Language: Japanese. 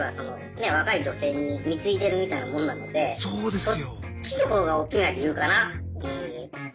そうですよ。